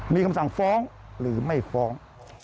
มีคำสั่งฟ้องหรือไม่ฟ้อง